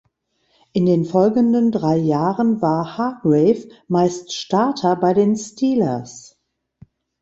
In den folgenden drei Jahren war Hargrave meist Starter bei den Steelers.